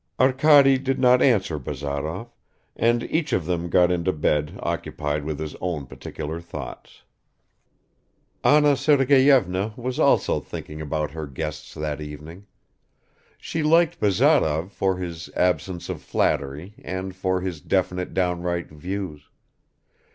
Arkady did not answer Bazarov, and each of them got into bed occupied with his own particular thoughts. Anna Sergeyevna was also thinking about her guests that evening. She liked Bazarov for his absence of flattery and for his definite downright views.